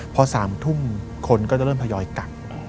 พอ๓ทุ่มคนก็จะเริ่มทยอยกัก